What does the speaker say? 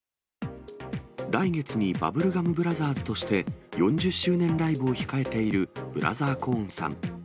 来月にバブルガム・ブラザーズとして４０周年ライブを控えているＢｒｏ．ＫＯＲＮさん。